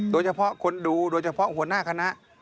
โดยเฉพาะคนดูโดยเฉพาะหัวหน้าคณะ